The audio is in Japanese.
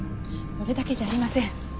それだけじゃありません。